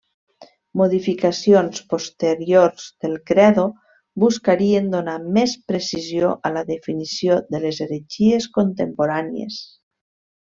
Modificacions posteriors del credo buscarien donar més precisió a la definició de les heretgies contemporànies.